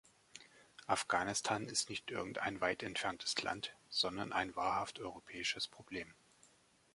Afghanistan ist nicht irgendein weit entferntes Land, sondern ein wahrhaft europäisches Problem.